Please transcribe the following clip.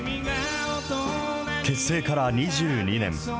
結成から２２年。